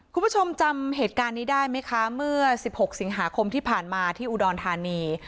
คุณผู้ชมจำเหตุการณ์นี้ได้ไหมคะเมื่อ๑๖สิงหาคมที่ผ่านมาที่อุดรธานี